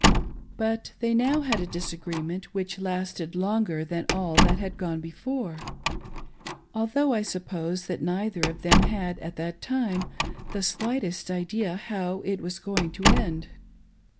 But they now had z. disagreement which lasted longer than all that had gone before; although I suppose that neither of them had, at that time, the slightest idea how it was going to end.